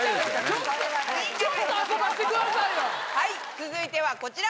続いてはこちら。